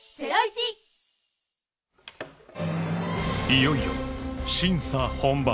いよいよ審査本番。